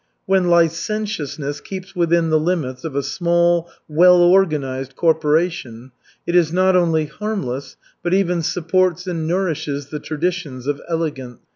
When licentiousness keeps within the limits of a small, well organized corporation, it is not only harmless, but even supports and nourishes the traditions of elegance.